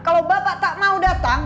kalau bapak tak mau datang